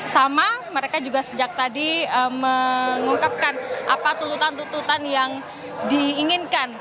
sama mereka juga sejak tadi mengungkapkan apa tuntutan tuntutan yang diinginkan